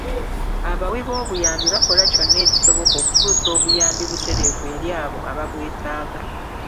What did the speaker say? Abawi b'obuyambi bakola kyonna ekisoboka okutuusa obuyambi butereevu eri abo ababwetaaga.